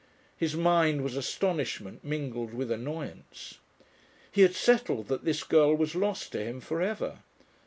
His mind was astonishment mingled with annoyance. He had settled that this girl was lost to him for ever.